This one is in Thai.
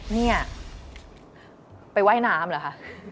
นี่ไปว่ายน้ำเหรอคะ